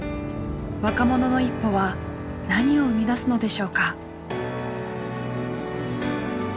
若者の一歩は何を生み出すのでしょうか？